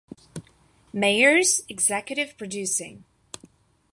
Meyers executive producing.